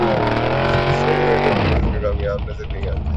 سندھ میں ڈیلیور کرنے میں کامیاب نظر نہیں آتی